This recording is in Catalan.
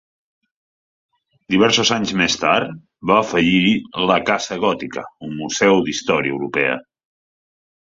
Diversos anys més tard, va afegir-hi la casa Gòtica, un museu d'història europea.